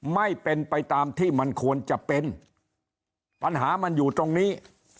ไม่เป็นไปตามที่มันควรจะเป็นปัญหามันอยู่ตรงนี้